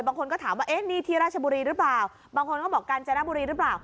บางคนก็ถามว่าเอ๊ะนี่ที่ราชบุรีหรือเปล่าบางคนก็บอกกาญจนบุรีหรือเปล่า